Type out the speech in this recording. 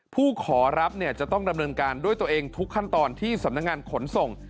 ผู้ขอรับเนี่ยจะต้องดำเนินการด้วยตัวเองทุกขั้นตอนที่สำนักงานขนส่ง